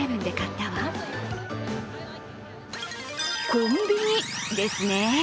コンビニですね。